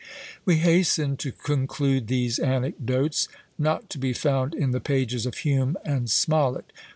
We hasten to conclude these anecdotes, not to be found in the pages of Hume and Smollett.